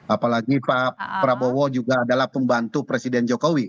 apalagi pak prabowo juga adalah pembantu presiden jokowi